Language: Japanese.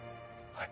はい！